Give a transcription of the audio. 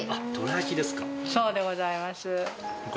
そうでございます。